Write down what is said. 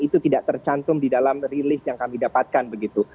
itu tidak tercantum di dalam rilis yang kami dapatkan begitu